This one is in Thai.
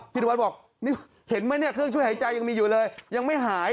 วัดบอกนี่เห็นไหมเนี่ยเครื่องช่วยหายใจยังมีอยู่เลยยังไม่หาย